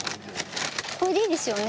これでいいですよね？